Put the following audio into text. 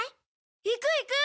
行く行く！